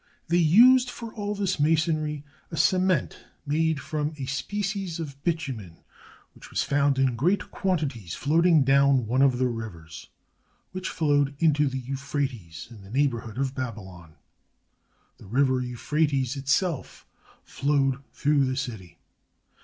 They used for all this masonry a cement made from a species of bitumen, 514 THE FALL OF BABYLON which was found in great quantities floating down one of the rivers which flowed into the Euphrates, in the neigh borhood of Babylon. The river Euphrates itself flowed through the city.